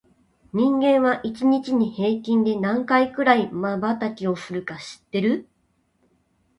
人間は、一日に平均で何回くらいまばたきをするか知ってる？